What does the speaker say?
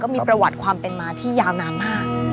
มีประวัติความเป็นมาที่ยาวนานมาก